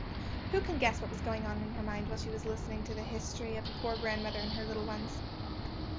Who can guess what was going on in her mind whilst she was listening to the history of the poor grandmother and her little ones?